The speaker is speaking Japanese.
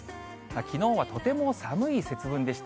きのうはとても寒い節分でした。